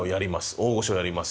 大御所やります